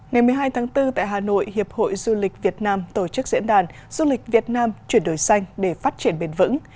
ngày một mươi hai tháng bốn tại hà nội hiệp hội du lịch việt nam tổ chức diễn đàn du lịch việt nam chuyển đổi xanh để phát triển bền vững